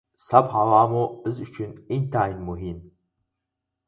ساپ ھاۋامۇ بىز ئۈچۈن ئىنتايىن مۇھىم.